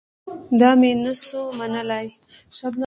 دا مې نه سو منلاى.